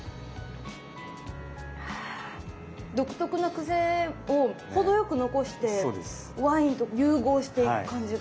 独特なクセを程よく残してワインと融合していく感じが。